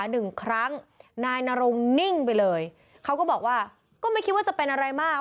หนึ่งครั้งนายนรงนิ่งไปเลยเขาก็บอกว่าก็ไม่คิดว่าจะเป็นอะไรมาก